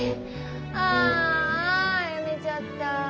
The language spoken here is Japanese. ああやめちゃった。